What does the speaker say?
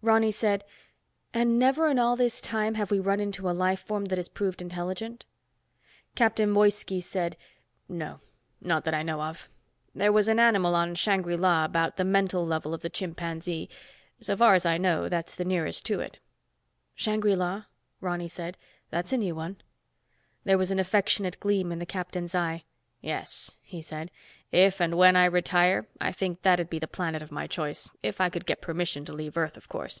Ronny said, "And never in all this time have we run into a life form that has proved intelligent?" Captain Woiski said, "No. Not that I know of. There was an animal on Shangri La of about the mental level of the chimpanzee. So far as I know, that's the nearest to it." "Shangri La?" Ronny said. "That's a new one." There was an affectionate gleam in the captain's eye. "Yes," he said. "If and when I retire, I think that'd be the planet of my choice, if I could get permission to leave Earth, of course."